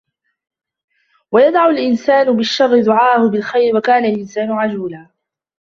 ويدع الإنسان بالشر دعاءه بالخير وكان الإنسان عجولا